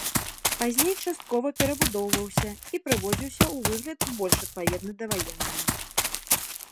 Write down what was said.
Пазней часткова перабудоўваўся і прыводзіўся ў выгляд, больш адпаведны даваеннаму.